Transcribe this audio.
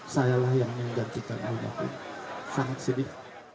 sayalah yang menggantikan muda sangat sedih